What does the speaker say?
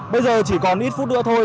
bây giờ chỉ còn ít phút nữa thôi